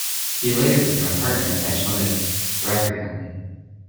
He later became a partner in Edge Limited, a record company.